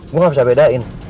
gue gak bisa bedain